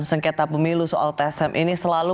sengketa pemilu soal tsm ini selalu